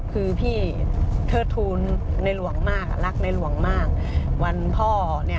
คือพี่เทิดทูลในหลวงมากรักในหลวงมาก